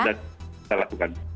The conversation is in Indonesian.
yang kita lakukan